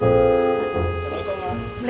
bapak sudah selesai